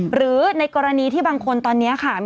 หรือในกรณีที่บางคนตอนนี้ค่ะ